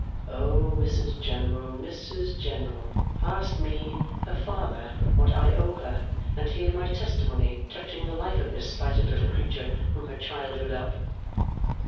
O Mrs General, Mrs General, ask me, her father, what I owe her; and hear my testimony touching the life of this slighted little creature from her childhood up!